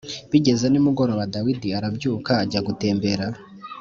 Bigeze nimugoroba dawidi arabyuka ajya gutembera